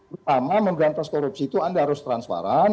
pertama memberantas korupsi itu anda harus transparan